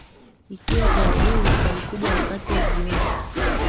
Ikiwa Claudius alikuja wakati wa jioni